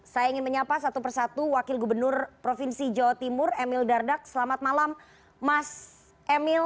saya ingin menyapa satu persatu wakil gubernur provinsi jawa timur emil dardak selamat malam mas emil